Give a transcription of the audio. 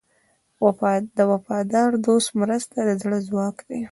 د وفادار دوست مرسته د زړه ځواک دی.